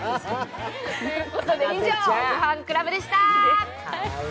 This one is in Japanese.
以上「ごはんクラブ」でした。